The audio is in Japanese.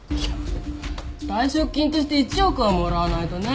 退職金として１億はもらわないとねえ。